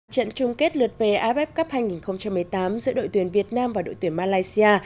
trận chung kết lượt về aff cup hai nghìn một mươi tám giữa đội tuyển việt nam và đội tuyển malaysia